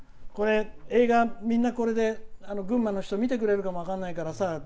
映画、みんなこれで群馬の人見てくれるかも分かんないからさ。